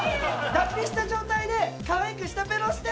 脱皮した状態でかわいく舌ペロして！